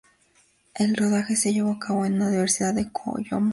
El rodaje se llevó a cabo en una universidad de Yokohama.